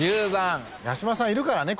八嶋さんいるからね